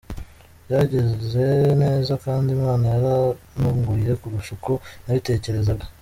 Byagenze neza kandi Imana yarantunguye kurusha uko nabitekerezaga.